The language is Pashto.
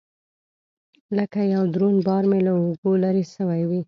لكه يو دروند بار مې له اوږو لرې سوى وي.